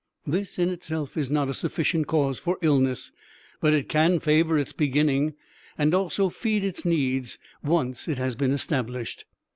This in itself is not a sufficient cause for illness, but it can favor its beginning and also feed its needs once it has been established.